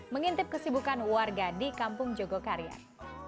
mengintip kesibukan warga di kampung jogokarian